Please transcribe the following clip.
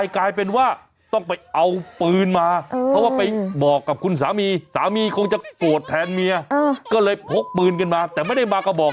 ก็ต้องปืนสิเขาห่อบตัวขนาดนั้น